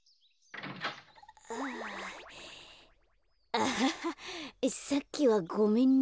アハハさっきはごめんね。